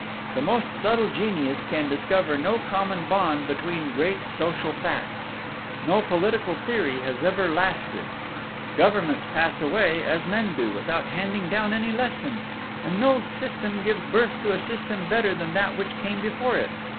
"The most subtle genius can discover no common bond between great social facts. No political theory has ever lasted. Governments pass away, as men do, without handing down any lesson, and no system gives birth to a system better than that which came before it.